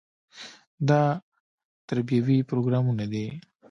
دا تربیوي پروګرامونه دي.